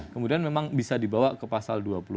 kemudian memang bisa dibawa ke pasal